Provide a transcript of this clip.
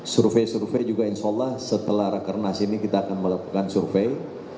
survei survei juga insyaallah setelah rekenas ini kita akan melakukan survei